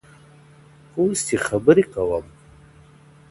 اوس چي خبري كوم,